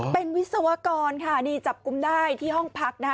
เป็นวิศวกรค่ะนี่จับกุมได้ที่ห้องพักนะคะ